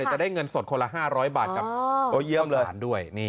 จะได้เงินสดคนละ๕๐๐บาทกับข้าวสารด้วย